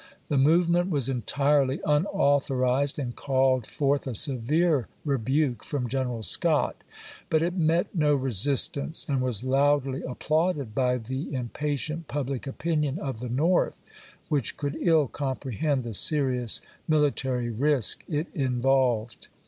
The movement was entirely un authorized and called forth a severe rebuke from General Scott ; but it met no resistance and was loudly applauded by the impatient public opinion of the North, which could ill comprehend the serious military risk it involved.